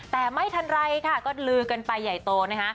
แต่ไม่ทันไรค่ะก็ลือกันไปใหญ่โตนะคะ